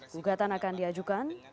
gugatan akan diajukan